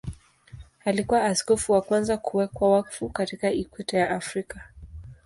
Alikuwa askofu wa kwanza kuwekwa wakfu katika Ikweta ya Afrika.